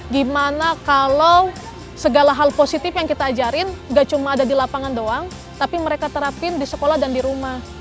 gimana kalau segala hal positif yang kita ajarin gak cuma ada di lapangan doang tapi mereka terapin di sekolah dan di rumah